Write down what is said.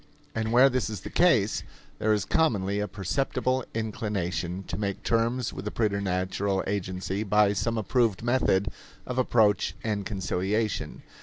And where this is the case, there is commonly a perceptible inclination to make terms with the preternatural agency by some approved method of approach and conciliation.